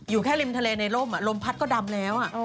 อยู่แค่ริมทะเลในร่มลมพัดก็ดำแล้ว